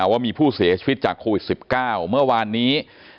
ว่ามีผู้เสียชีวิตจากโควิด๑๙เมื่อวานนี้